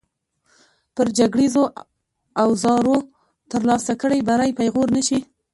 پر جګړیزو اوزارو ترلاسه کړی بری پېغور نه شي.